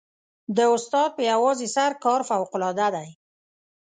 د استاد په یوازې سر کار فوقالعاده دی.